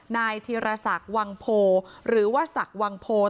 นายธีรศักดิ์วังโพหรือว่าศักดิ์วังโพ